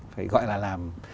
phải gọi là làm